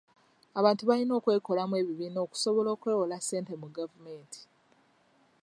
Abantu balina okwekolamu ebibiina okusobola okwewola ssente mu gavumenti.